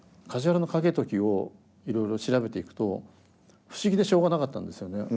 梶原景時をいろいろ調べていくと不思議でしょうがなかったんですよね。